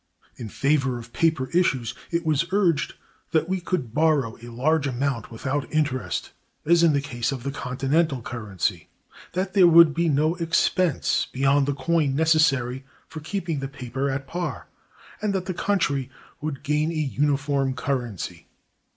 In favor of paper issues it was urged that we could borrow a large amount without interest, as in the case of the Continental currency; that there would be no expense beyond the coin necessary for keeping the paper at par; and that the country would gain a uniform currency.